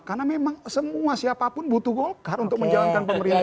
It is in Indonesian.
karena memang semua siapapun butuh golkar untuk menjalankan pemerintahan